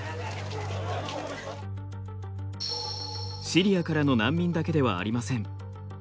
シリアからの難民だけではありません。